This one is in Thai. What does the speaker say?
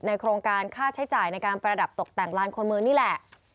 โครงการค่าใช้จ่ายในการประดับตกแต่งลานคนเมืองนี่แหละ